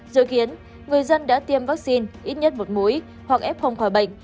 dự kiến người dân đã tiêm vaccine ít nhất một mũi hoặc ép không khỏi bệnh